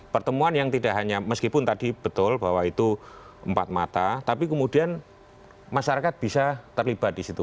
pertemuan yang tidak hanya meskipun tadi betul bahwa itu empat mata tapi kemudian masyarakat bisa terlibat di situ